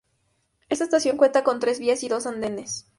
Esta estación cuenta con tres vías y dos andenes.